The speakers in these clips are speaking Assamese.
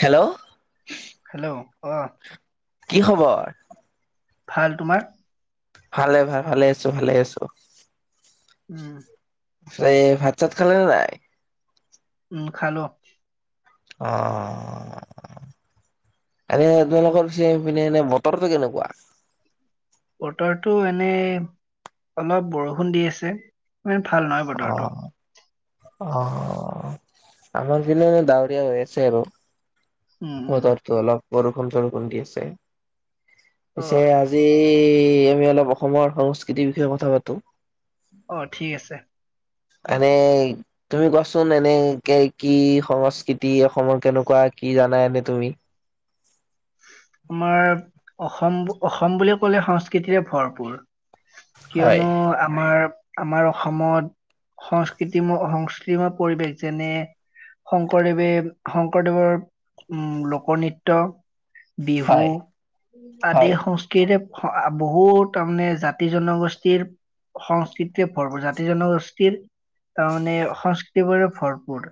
হেল্ল'? হেল্ল', অ'। কি খবৰ? ভাল। তোমাৰ? ভালে, ভা-ভাল ভালে আছো, ভালে আছো। উম। এই ভাত চাত খালে নে নাই? উম খালো। অ' এনে তোমালোকৰ পিছে পিনে এনে বতৰটো কেনেকুৱা? বতৰটো এনেই অলপ বৰষুণ দি আছে, মানে ভাল নহয় অ বতৰটো। অ', আমাৰ ফিলে ডাৱৰীয়া হৈ আছে আৰু। উম উম বতৰটো অলপ বৰষুণ-চৰষুণ দি আছে। অ পিছে আজ জি আমি অলপ অসমৰ সংস্কৃতিৰ বিষয়ে কথা পাতো। অ', ঠিক আছে। এনেই তুমি কোৱাচোন, এনেই কেই কি সংস্কৃতি, অসমৰ কেনেকুৱা কি জানা এনে তুমি? আমাৰ অসম, অসম বুলি ক'লে সংস্কৃতিৰে ভৰপূৰ। হয় কিয়নো আ আমাৰ, আমাৰ অসমত সংস্কৃতিম, সংস্কৃতিময় পৰিৱেশ, যেনে শংকৰদেৱে, শংকৰদেৱৰ উম, লোক নৃত্য বিহু হয় আদি, হয় সংস্কৃ তিৰে আ, বহুত তাৰমানে জাতি জনগোষ্ঠীৰ সংস্কৃতিয়ে ভৰপূৰ। জাতি জনগোষ্ঠীৰ তাৰমানে সংস্কৃতিবোৰে ভৰপূৰ।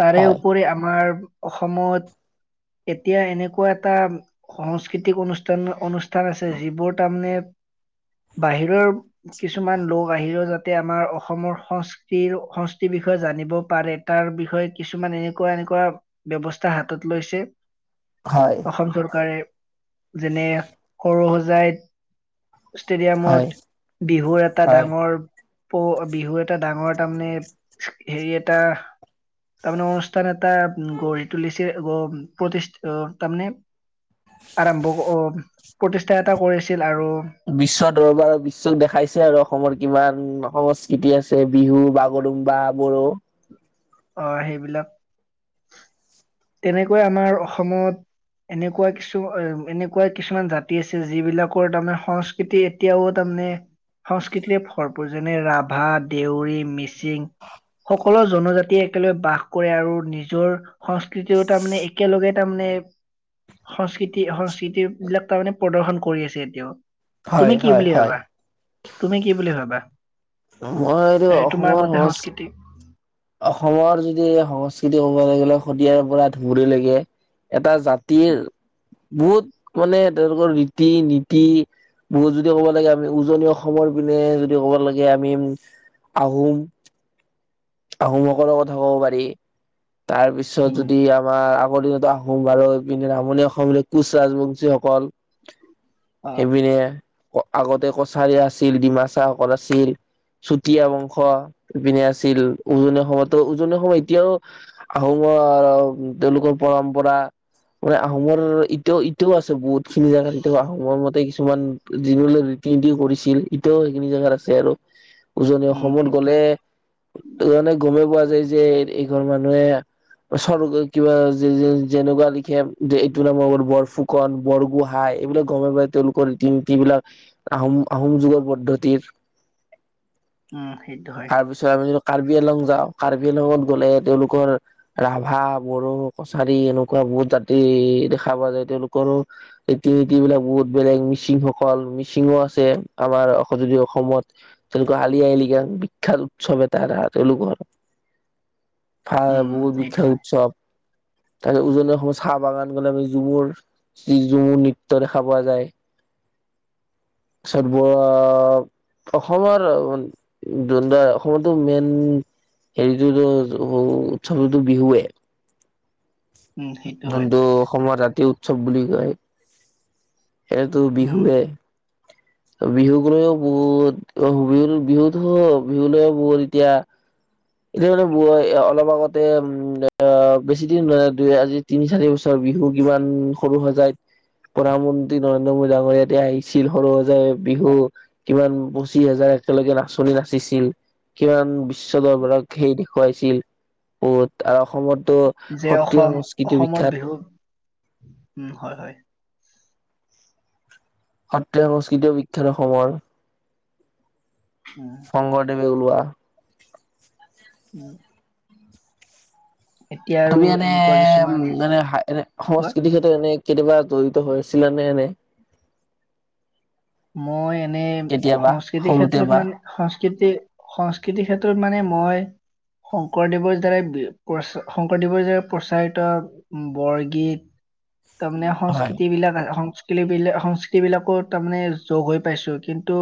তাৰে হয় উপৰি আমাৰ অসমত, এতিয়া এনেকু কুৱা এটা সংস্কৃতিক অনুষ্ঠান, অনুষ্ঠান আছে, যিবোৰ তাৰমানে বাহিৰৰ কিছুমান লোক আহিও যাতে আমাৰ অসমৰ সংস্কৃ তিৰ, সংস্কৃতিৰ বিষয়ে জানিব পাৰে। তাৰ বিষয়ে কিছুমান এনেকুৱা, এনেকুৱা ব্যৱস্থা হাতত লৈছে। হয়। অসম চৰকাৰে, যেনে সৰু-সজাইত হয় ষ্টেডিয়ামত, বিহুৰ এটা হয়। ডাঙৰ প, বিহু এটা ডাঙৰ এটা মানে, হেৰি এটা তাৰমানে অনুষ্ঠান এটা, উম গঢ়ি তুলিছে বা প্ৰতিষ্ঠ অ', তাৰমানে আৰম্ভ অ', প্ৰতিষ্ঠা এটা কৰিছিল আৰু। বিশ্ব দৰবাৰত, বিশ্বক দেখাইছে আৰু অসমৰ কিমান সংস্কৃতি আছে। বিহু, বাগৰুুম্বা বড়ো, অ', সেইবিলাক। তেনেকৈ আমাৰ অসমত এনেকুৱা কিছু, এনেকুৱা কিছুমান জাতি আছে যে, যিবিলাকৰ তাৰমানে সচ খেতি এতিয়াও তাৰমানে সংস্কৃতিৰে ভৰপূৰ, যেনে-ৰাভা, দেউৰী, মিচিং, সকলো জনজাতি একেলগে বাস কৰে আৰু নিজৰ সংস্কৃতিও তাৰমানে, একেলগে তাৰমানে সংস্কৃতি, সংস্কৃতি বিলাক তাৰমানে প্ৰদৰ্শন কৰি আছে, এতিয়াও। হয় তুমি কি হয় বুলি হয় ভাবাঁ! তুমি কি বুলি ভাবাঁ! মই এইটো এ অসমৰ তোমাৰ সং মতে সংস্কৃতি অসমৰ যদি সংস্কৃতি ক'ব গ'লে, শদিয়াৰ পৰা ধুবুৰীলৈকে এটা জ জাতিৰ বহুত মানে, তেওঁলোকৰ ৰীতি-নীতি বহুত যদি ক'ব লাগে, আমি উজনি অসমৰ পিনে যদি ক'ব লাগে, আমি আহোম আহোমসকলৰ কথা ক'ব পাৰি, তাৰ পিছত উম যদি আমাৰ আগৰ দিনতো আহোম অসম বাৰু এইপিনে নামনি অসমৰে কোচ-ৰাজবংশীসকল অ সেইপিনে আগতে কছাৰী আছিল, ডিমাচা আছিল। চুতীয়া বংশ, ইপিনে আছিল। উজনিৰ সময়তো উজনিৰ সময়ত এতিয়াও আহোমৰ, তেওঁলোকৰ পৰম্পৰা। মানে আহোমৰ এতিয়াও এতিয়াও আছে, বহুতখিনি জেগা। এতিয়া আহোমৰ মতে কিছুমান যিসকলে ৰীতি-নীতি কৰিছিল, এতিয়াও সেইখিনি জেগাত আছে আৰু। উজনি উম অসমত সেইটোৱে গ'লে, মানে গমেই পোৱা যায় যে এইঘৰ মানুহে ৰ কিবা যে যেনেকুৱা লিখে, যে এইটো নামৰ বৰ বৰফুক কন বৰগোহাঁই, এইবিলাক গমে পাই। তেওঁলোকৰ ৰীতি-নীতিবিলাক আহোম, আহোম যুগৰ পদ্ধতিৰ উম্, সেইটো হয়। তাৰপিছত আমি কাৰ্বি আলং যাওঁ, কাৰ্বি আলংত গ'লে তেওঁলোকৰ ৰাভা, বড়ো, কছাৰী এনেকুৱা বহুত জাতি দেখা পোৱা যায়, তেওঁলোকৰো ৰীতি-নীতি বিলাক বহুত বেলেগ, মিচিংসকল, মিচিংয়ো আছে। আমাৰ যদি অসমত তেওঁলোকৰ আলি-আই-লিগাং বিখ্যাত উৎসৱ এতাৰ, তেওঁলোকৰ চাহ উম বহুত সেইটো বিখ্যাত হয় উৎসৱ। তাৰপিছত উজনিৰ অসমত চাহ বাগান গ'লে, আমি যিবোৰ য্ৰীজুু নৃত্য দেখা পোৱা যায়। তাৰপিছত ব অসমৰ, অসমতো মেইন হেৰিটোতো ত' উৎসৱো টো বিহুৱে, উম সেইটো হয় যোনটো অসমত ৰাতি উৎসৱ বুলি কয়, সেইটো উম বিহুৱে। বিহুক লৈও বহুত অ', বিহু বিহুত হ। বিহু লওঁ, বহুত এতিয়া এতিয়া মানে মই, অলপ আগতে উম্ অ', বেছি দিন নাই, দুই আজি তিনি চাৰি বছৰ বিহু কিমান সৰু সজাই প্ৰধানমন্ত্ৰী নৰেন্দ্ৰ মোদী ডাঙৰীয়া যে আহিছিল, সৰুসজায়। কিমান পঁচিশ হাজাৰ একেলগে নাচনি নাচিছিল, কিমান বিশ্ব দৰবাৰত। সেই দেখুৱাইছিল, বহুত আৰু অসমততো যে সত্ৰীয়া-সংস্কৃতি বিখ্যাত উম্, হয় হয়। সত্ৰীয়া-সংস্কৃতি বিখ্যাত অসমৰ। উম্। শংকৰদেৱে ওলোৱা। উম। এতিয়া আৰু তুমি এনে এনেকুৱা উম কিছুমান মানে এনে কোৱা সংস্কৃতি এনেই কেতিয়াবা জড়িত হৈছিলানে এনে? মই এনে কেতিয়াবা সংস্কৃতিৰ সৰুতে ক্ষেত্ৰত বা মানে সংস্কৃতি সংস্কৃতিৰ ক্ষেত্ৰত মানে মই শংকৰদেৱৰ দ্বাৰাই প্ৰচা শংকৰদেৱৰ দ্বাৰা প্ৰচাৰিত বৰগীত তাৰমানে হয় সংস্কৃতি বিলাক সংস্কৃলি বিলাক সংস্কৃতি বিলাকো তাৰমানে চ' গৈ পাইছো কিন্তু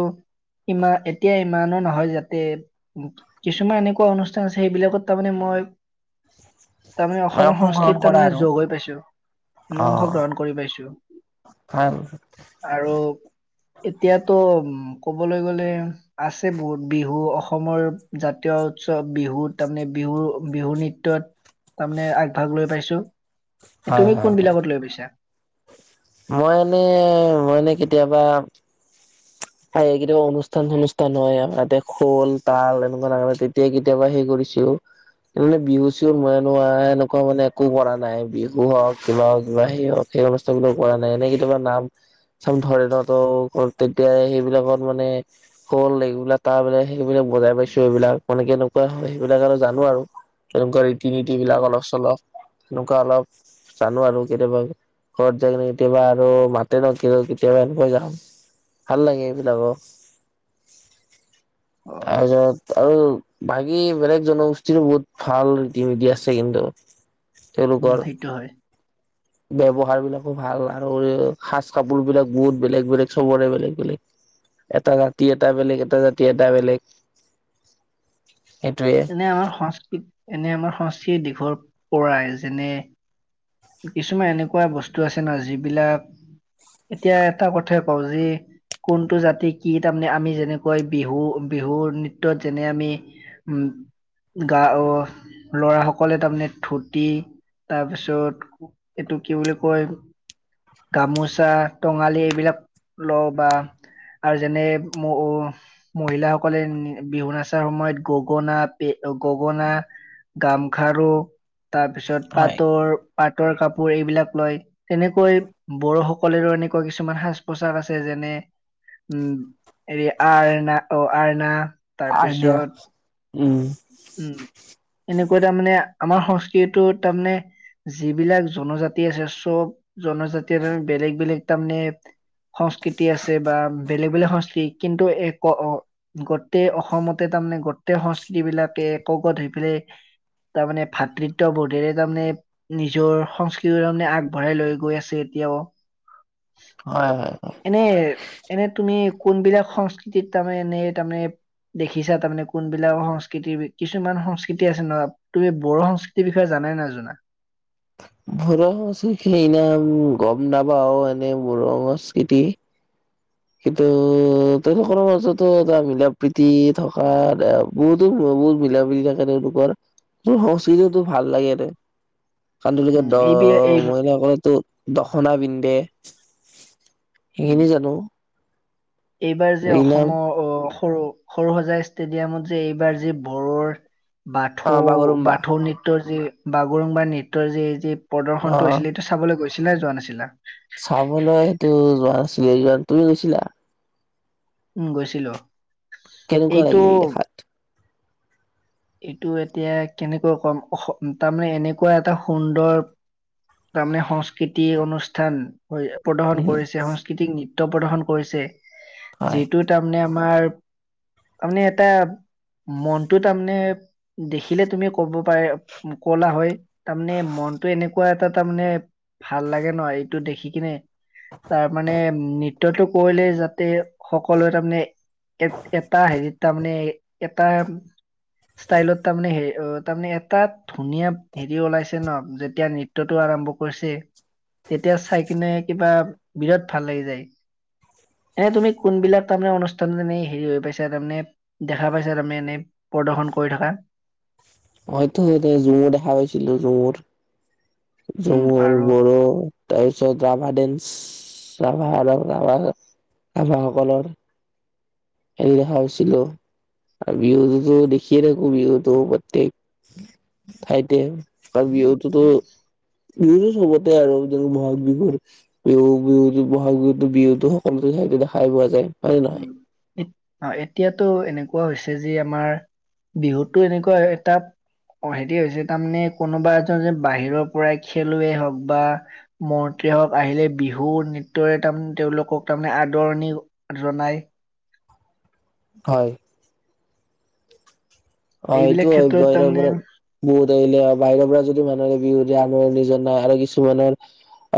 ইমা এতিয়া ইমানো নহয় যাতে কিছুমান এনেকুৱা অনুষ্ঠান আছে সেইবিলাকত তাৰমানে মই তাৰ মানে অসমৰ অংশগ্ৰহণ সংস্কৃত তাৰ কৰা মানে আৰু যোগ হৈ পাইছো। অ অংশ গ্ৰহণ কৰি পাইছো। ভাল। আৰু এতিয়াতো উম ক'বলৈ গ'লে আছে বহুত বিহু অসমৰ জাতীয় উৎসৱ বিহুত তাৰমানে বিহু, বিহু নৃত্যত তাৰমানে আগভাগ লৈ পাইছো, হয় তুমি হয় হয় কোনবিলাকত লৈ পাইছা? মই এনে মই এনে কেতিয়াবা হয় কেতিয়াবা অনুষ্ঠান চনুষ্ঠান হয় আমাৰ তাতে খোল তাল এনেকুৱা [unintelligible] এই কেতিয়াবা সেই কৰিছিলো। মানে বিহু চিহু মই [unintelligible] এনেকুৱা মানে একো কৰা নাই বিহু হওক কিবা হওক কিবা সেই হওক। সেই অনুস্থানবোৰ কৰা নাই এনেই কেতিয়াবা নাম চাম ধৰে ন ত' তেতিয়া সেই বিলাকত মানে খোল এইবিলাক তাল বিলাক সেইবিলাক বজাই পাইছো এইবিলাক এনেকে সেইবিলাক আৰু জানো আৰু তেনেকুৱা ৰীতি নীতি উম বিলাক অলপ চলপ তেনেকুৱা অলপ জানো আৰু কেতিয়াবা ঘৰত যায় কেনি কেতিয়াবা আৰু মাতে ন কিবা কেতিয়াবা এনেকৈ যাওঁ। ভাল লাগে এইবিলাকত, অ তাৰপিছত আৰু বাকী বেলেগ জনগোষ্ঠীৰো বহুত ভাল ৰীতি- নীতি আছে কিন্তু। উম তেওঁলোকৰ সেইটো হয়। ব্যৱহাৰ বিলাকো ভাল আৰু সাজ কাপোৰ বিলাক বহুত বেলেগ বেলেগ চবৰে বেলেগ বেলেগ। এটা জাতি এটা বেলেগ এটা জাতি এটা বেলেগ সেইটোয়ে। এনে আমাৰ সংস্কৃতি এনে আমাৰ সংস্কৃতিৰ দিশৰ পৰাই যেনে কিছুমান এনেকুৱা বস্তু আছে ন যিবিলাক এতিয়া এটা কথাই কওঁ যি কোনটো জাতি কি তাৰমানে আমি যেনেকৈ বিহু বিহু নৃত্যত যেনে আমি উম। গা অ ল'ৰা সকলে তাৰমানে ধুতি তাৰপিছত এইটো কি বুলি কয় গামোচা, টঙালি এইবিলাক লওঁ বা আৰু যেনে [inaudible] মহিলাসকলে বিহু নাচাৰ সময়ত গগনা পে গগনা গামখাৰু তাৰপিছত হয় পাটৰ পাটৰ কাপোৰ এইবিলাক লয়। তেনেকৈ বড়োসকলৰো এনেকুৱা কিছুমান সাজ পোছাক আছে যেনে উম এৰি আৰনা অ আৰনা। আৰ দিয়া তাৰপিছত উম উম এনেকৈ তাৰমানে আমাৰ সংস্কৃতিটো তাৰমানে যিবিলাক জনজাতি আছে চব জনজাতিয়ে তাৰমানে বেলেগ বেলেগ তাৰমানে, সংস্কৃতি আছে বা বেলেগ বেলেগ সংস্কৃতি কিন্তু এ ক অ, গটে অসমতে তাৰমানে গটে সংস্কৃতি বিলাকে একগোট হৈ পেলাই, তাৰমানে ভ্ৰাতৃত্ব বোধেৰে তাৰমানে, নিজৰ সংস্কৃতিটো তাৰমানে আগবঢ়াই লৈ গৈ আছে এতিয়াও। হয় হয় হয়। এনে এনে তুমি কোনবিলাক সংস্কৃতিত তাৰমানে এনে তাৰমানে। দেখিছা তাৰমানে কোনবিলাক সংস্ক সংস্কৃতি কিছুমান সংস্কৃতি আছে নহয় তুমি বড় সংস্কৃতিৰ বিষয়ে জানা নাজনা? বড় সংস্কৃতি সেইনা গম নাপাও এনে বড় সংস্কৃতি। কিন্তু। তেখেতসকলৰ মাজতো এটা মিলা প্ৰীতি থকা বহুতো বহুত মিলা প্ৰীতি থকে। লোকৰ সংস্কৃতিৰ টোও ভাল লাগে সিহতৰ। কাৰণ তেওলোকে উম দ এইবি এই মইনা কলে তো দখনা পিন্ধে। উম সেইখিনি জানো। এইবাৰ যে কি নাম অসমত অ সৰু সৰু সজাই ষ্টেডিয়ামত যে এইবাৰ যে বড়ৰ। অ বাথৌ বাগৰুম্বা বাথৌ নৃত্যৰ যি বাগৰুংবাৰ নৃত্যৰ যি যি অ প্ৰদৰ্শনটো হৈছিলে। টো চাবলৈ গৈছিলা নে যোৱা নাছিলা। চাবলৈ সেইটো যোৱা নাছিলে এইবাৰ তুমি গৈছিলা? উম গৈছিলো। কেনেকোৱা এইটো লাগিল দেখাত? এইটো এতিয়া কেনেকৈ কম অস তাৰমানে এনেকুৱা এটা সুন্দৰ। তাৰমানে সংস্কৃতি অনুষ্ঠান। প্ৰদৰ্শন উম কৰিছে সংস্কৃতিক নৃত্য প্ৰদৰ্শন কৰিছে হয় যিটোত। তাৰমানে আমাৰ তাৰমানে এটা মনতো তাৰমানে। মানে দেখিলে তুমি ক'ব পাৰে কলা হয়। তাৰমানে মনটো এনেকুৱা এটা তাৰমানে ভাল লাগে ন এইটো দেখি কিনে। তাৰমানে নৃত্যটো কৰিলে যাতে সকলোৱে তাৰমানে। এ এটা হেৰিত তাৰমানে এটা ষ্টাইলত তাৰমানে হে অ। তাৰমানে এটা ধুনীয়া ভিডিঅ ওলাইছে ন যেতিয়া নৃত্যটো আৰম্ভ কৰিছে। তেতিয়া চাই কিনে কিবা বিৰাট ভাল লাগি যায়। এনে তুমি কোনবিলাক তাৰমানে অনুষ্ঠানত এনে হেৰি হৈ পাইছা তাৰমানে দেখা পাইছা তাৰমানে এনে। প্ৰদৰ্শন কৰি থকা। মই তো দেখা পাইছিলো ঝুমুৰ ঝুমুৰ আৰু বড়ো। তাৰপিছত ৰাভা ডেন্স ৰাভা ৰাভা ৰাভাসকলৰ। খনে দেখা হৈছিলো আৰু বিহুতোতো দেখিয়ে থাকো বিহুতো প্ৰত্যেক। ঠাইতে ত বিহুতোতো। বিহুতো চবতে আৰু যে বহাগ বিহুৰ। বিহু বিহুতো বহাগ বিহুতো বিহুতো সকলোতো ঠাইতে দেখাই পোৱা যায়। হয় নে নহয়? উম। অ এতিয়াতো এনেকুৱা হৈছে যে আমাৰ বিহুতো এনেকুৱা এটা। অ সেইটোয়ে হৈছে তাৰমানে কোনোবা এজন যে বাহিৰৰ পৰাই খেলুৱেই হওক বা। মন্ত্ৰী হওক আহিলে বিহু নৃত্যৰে তাৰমানে তেওঁলোকক তাৰমানে আদৰণি, জনাই। হয়। অ' সেইটো এইবিলাক হয় ক্ষেত্ৰত গৈ তাৰমানে বিহুত আহিলে বাহিৰৰ পৰা যদি মানুহৰে বিহু নিজৰ [unintelligible] আৰু কিছুমানৰ।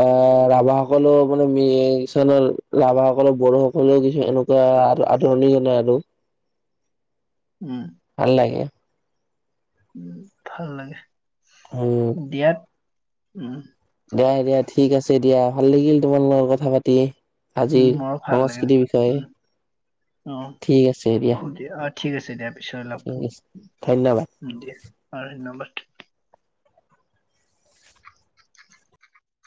আ ৰাভাসকলেও মানে কিছুমানৰ ৰাভাসকলৰ বড়োসকলেও কিছু এনু দা আৰু আদৰণি জনাই আৰু। উম। ভাল লাগে। উম' ভাল লাগে। উম'। দিয়াত, উম। দিয়া দিয়া, ঠিক আছে দিয়া, ভাল লাগিল তোমাৰ লগত কথা পাতি। উম আজিৰ মোৰো ভাল লাগে সংস্কৃতিৰ উম বিষয়ে, ঠিক আছে দিয়া। অ দিয়া, অ' ঠিক আছে দিয়া, পিছত লগ ঠিক আছে ধন্যবাদ। পাম, দিয়া অ' ধন্যবাদ।